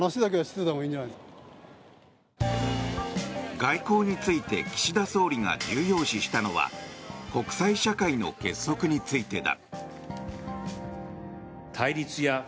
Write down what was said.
外交について岸田総理が重要視したのが国際社会の結束についてだ。